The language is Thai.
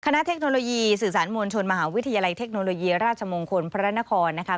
เทคโนโลยีสื่อสารมวลชนมหาวิทยาลัยเทคโนโลยีราชมงคลพระนครนะคะ